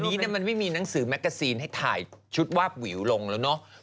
วันนี้มันไม่มีหนังสือแมกกาซีนให้ถ่ายชุดวาบวิวลงแล้วเนอะ